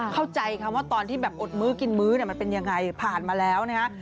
เข้าใจคำว่าตอนที่แบบอดมื้อกินมื้อเนี่ยมันเป็นยังไงผ่านมาแล้วนะฮะ